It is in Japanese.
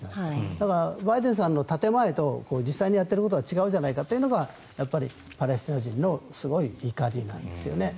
だからバイデンさんの建前と実際にやっていることは違うじゃないかということがパレスチナ人のすごい怒りなんですよね。